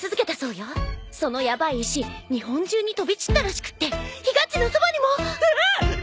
そのヤバい石日本中に飛び散ったらしくってひがっちのそばにも！？ひぃっ！